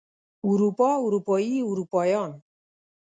اروپا اروپايي اروپايان